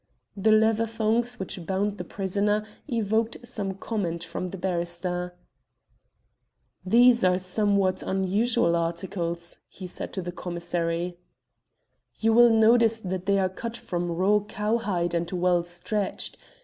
The leather thongs which bound the prisoner evoked some comment from the barrister. "These are somewhat unusual articles," he said to the commissary. "You will notice that they are cut from raw cowhide and well stretched.